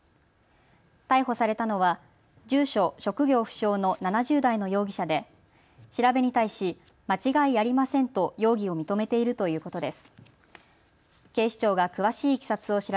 逮捕されたのは住所・職業不詳の７０代の容疑者で調べに対し間違いありませんと容疑を認めているということです。